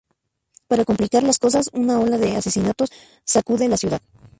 Para complicar las cosas, una ola de asesinatos sacude la ciudad.